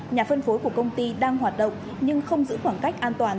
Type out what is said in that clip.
nhà phân phối của công ty đang hoạt động nhưng không giữ khoảng cách an toàn